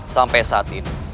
sampai saat ini